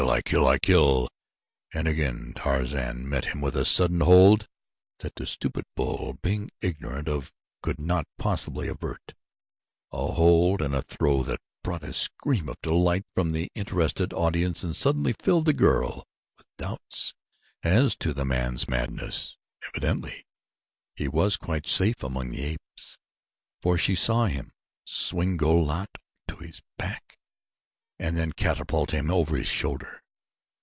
I kill! I kill!" and again Tarzan met him with a sudden hold that the stupid bull, being ignorant of, could not possibly avert a hold and a throw that brought a scream of delight from the interested audience and suddenly filled the girl with doubts as to the man's madness evidently he was quite safe among the apes, for she saw him swing Go lat to his back and then catapult him over his shoulder.